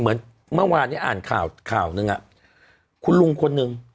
เหมือนเมื่อวานนี้อ่านข่าวหนึ่งคุณลุงคนหนึ่ง